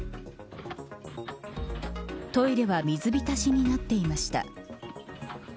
トイレは水浸しになっていました。